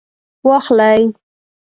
واخلئ